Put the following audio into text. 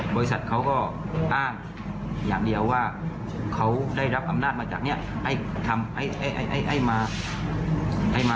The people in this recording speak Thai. บริษัทเขาก็อ้างอย่างเดียวว่าเขาได้รับอำนาจมาจากนี้